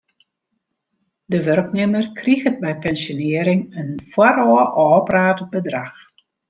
De wurknimmer kriget by pensjonearring in foarôf ôfpraat bedrach.